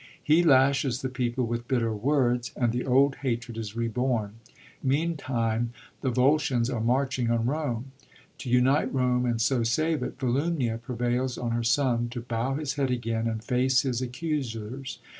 He lashes the people with bitter words, and the old hatred is reborn. Meantime the Volscians are marching on Rome. To unite Rome, and so sav6 it, Volumnia pre« vails on her son to bow his head again, and face his accusers.